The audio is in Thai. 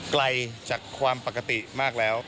ไกลจากความปกติมากแล้ว